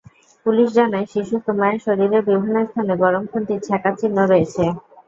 Police জানায়, শিশু সুমাইয়ার শরীরের বিভিন্ন স্থানে গরম খুন্তির ছ্যাঁকার চিহ্ন রয়েছে।